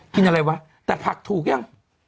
กินอะไรวะแต่ผักถูกยัง